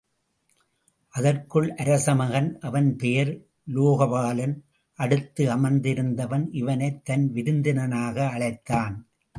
அதற்குள் அரசமகன் அவன் பெயர் உலோகபாலன் அடுத்து அமர்ந்திருந்தவன் இவனைத் தன் விருந்தினனாக அழைத்தான்.